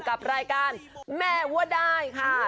กับรายการแม่วัวได้ค่ะ